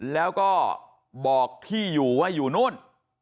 แล้วก็บอกที่อยู่ว่าอยู่นู่น